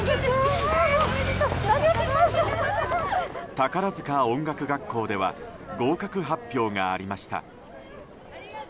宝塚音楽学校では合格発表がありました。